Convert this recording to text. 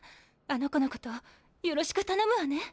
あの子のことよろしくたのむわね。